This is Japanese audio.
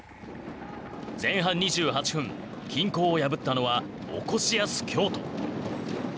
前半２８分均衡を破ったのはおこしやす京都。